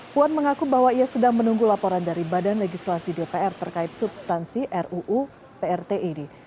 puan mengaku bahwa ia sedang menunggu laporan dari badan legislasi dpr terkait substansi ruu prt ini